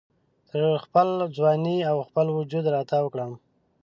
تر خپل ځوانۍ او خپل وجود را تاو کړم